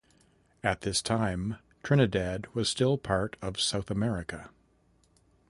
At this time, Trinidad was still part of South America.